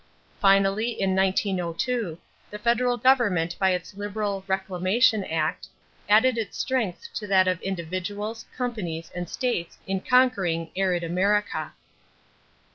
Finally in 1902 the federal government by its liberal Reclamation Act added its strength to that of individuals, companies, and states in conquering "arid America."